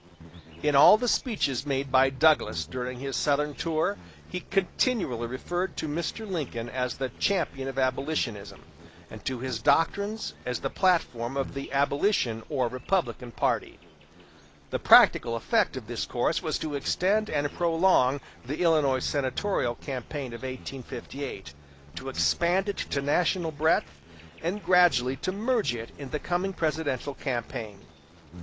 In all the speeches made by Douglas during his Southern tour, he continually referred to Mr. Lincoln as the champion of abolitionism, and to his doctrines as the platform of the abolition or Republican party. The practical effect of this course was to extend and prolong the Illinois senatorial campaign of 1858, to expand it to national breadth, and gradually to merge it in the coming presidential campaign.